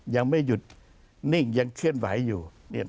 ยังไม่หยุดนิ่งยังเคลื่อนไหวอยู่